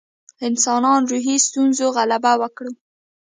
انسانان روحي ستونزو غلبه وکړي.